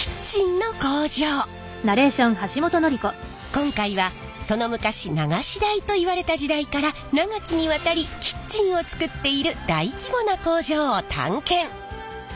今回はその昔流し台と言われた時代から長きにわたりキッチンを作っている大規模な工場を探検！